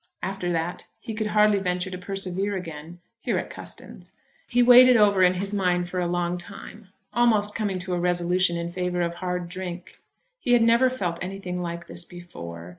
After that he could hardly venture to persevere again here at Custins. He weighed it over in his mind for a long time, almost coming to a resolution in favour of hard drink. He had never felt anything like this before.